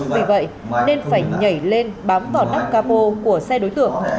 vì vậy nên phải nhảy lên bám vào nắp cà bồ của xe đối tượng